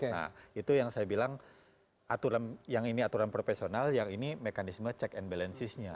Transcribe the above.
nah itu yang saya bilang aturan yang ini aturan profesional yang ini mekanisme check and balancesnya